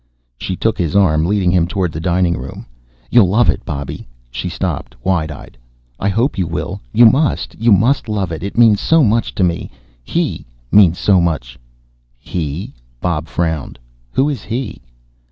She took his arm, leading him toward the dining room. "You'll love it, Bobby." She stopped, wide eyed. "I hope you will. You must; you must love it. It means so much to me he means so much." "He?" Bob frowned. "Who is he?"